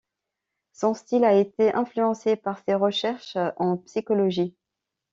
Son style a été influencé par ses recherches en psychologie.